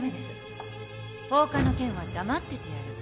「放火の件は黙っててやる」